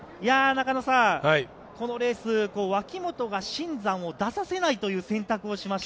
中野さん、このレース、脇本が新山を出させないという選択をしました。